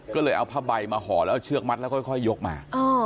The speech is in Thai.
ก็เลยเอาผ้าใบมาห่อแล้วเอาเชือกมัดแล้วค่อยยกมา